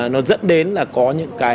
nó dẫn đến là có những cái